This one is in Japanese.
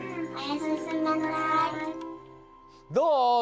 どう？